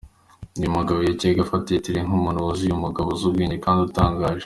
Uyu mugabo yajyaga afata Hitler nk’umuntu wuzuye, umugabo uzi ubwenge kandi utangaje.